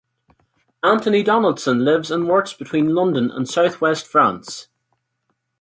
Antony Donaldson lives and works between London and southwest France.